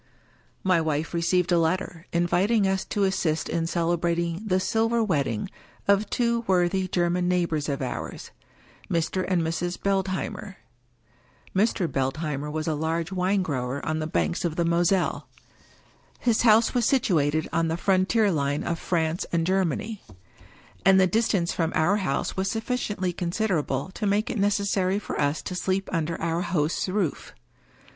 My wife received a letter, inviting us to assist in cele brating the " Silver Wedding " of two worthy German neighbors of ours — Mr. and Mrs. Beldheimer. Mr. Beld heimer was a large wine grower on the banks of the Mo selle. His house was situated on the frontier line of France and Germany; and the distance from our house was suf ficiently considerable to make it necessary for us to sleep under our host's roof.